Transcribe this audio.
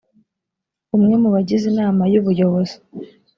umwe mu bagize inama y ubuyobozi